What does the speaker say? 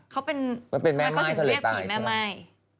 เขาเป็นแม่ไม้ก็เลยตายใช่มั้ย